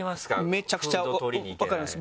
めちゃくちゃ分かります。